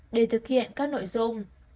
để thực hiện các nội dung